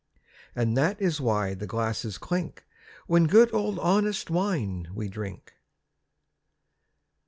And that is why the glasses clink When good old honest wine we drink.